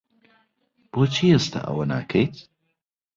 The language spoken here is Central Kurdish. بۆچی ئێستا ئەوە ناکەیت؟